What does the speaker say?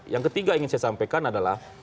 yang ketiga ingin saya sampaikan adalah